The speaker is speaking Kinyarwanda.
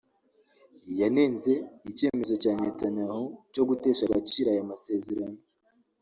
yanenze icyemezo cya Netanyahu cyo gutesha agaciro aya masezerano